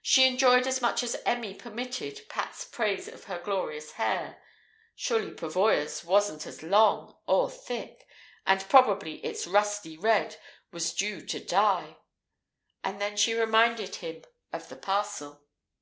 She enjoyed as much as Emmy permitted Pat's praise of her glorious hair (surely Pavoya's wasn't as long or thick, and probably its "rusty red" was due to dye), and then she reminded him of the parcel.